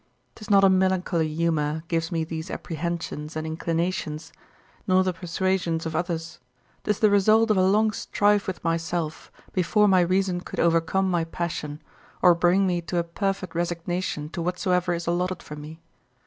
'Tis not a melancholy humour gives me these apprehensions and inclinations, nor the persuasions of others; 'tis the result of a long strife with myself, before my reason could overcome my passion, or bring me to a perfect resignation to whatsoever is allotted for me.